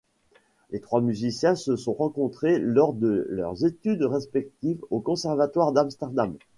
Les trois musiciens se sont rencontrés lors de leurs études respectives au Conservatoire d’Amsterdam.